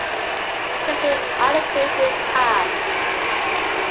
Its mean altitude is high.